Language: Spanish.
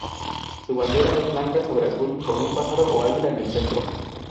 Su bandera es blanca sobre azul con un pájaro o águila en el centro.